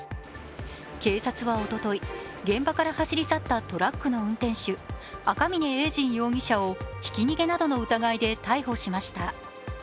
警察はおととい、現場から走り去ったトラックの運転手赤嶺永仁容疑者をひき逃げなどの疑いで逮捕しました。